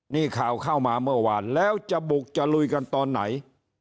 นี่ข่าวเข้ามาเมื่อวานแล้วจะบุกจะลุยกันตอนไหน